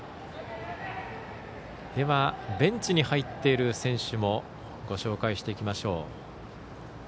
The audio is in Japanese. では、ベンチに入っている選手もご紹介していきましょう。